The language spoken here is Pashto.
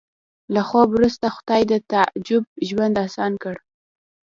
له خوب وروسته خدای د تعجب ژوند اسان کړ